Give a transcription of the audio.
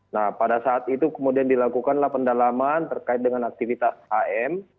nah pada saat itu kemudian dilakukanlah pendalaman terkait dengan aktivitas hm